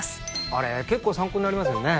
あれ結構参考になりますよね